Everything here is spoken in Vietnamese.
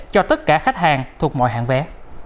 cho tất cả khách hàng thuộc mọi hãng vé